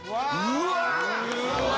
うわ！